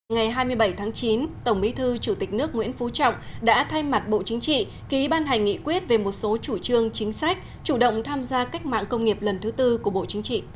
ngày hai mươi bảy tháng chín tổng bí thư chủ tịch nước nguyễn phú trọng đã thay mặt bộ chính trị ký ban hành nghị quyết về một số chủ trương chính sách chủ động tham gia cách mạng công nghiệp lần thứ tư của bộ chính trị